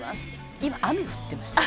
「今雨降ってましたよ？」